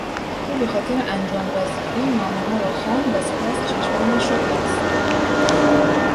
او به خاطر انجام وظیفه نامهها را خواند و سپس چشمانش را بست.